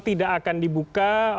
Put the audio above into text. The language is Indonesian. tidak akan dibuka